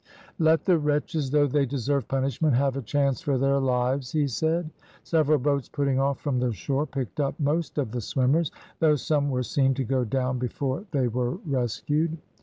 "Let the wretches, though they deserve punishment, have a chance for their lives," he said. Several boats putting off from the shore picked up most of the swimmers, though some were seen to go down before they were rescued.